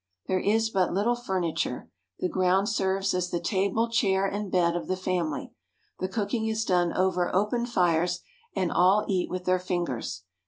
There is but little furniture. The ground serves as the table, chair, and bed of the family. The cooking is done over open fires, and all eat with their fingers.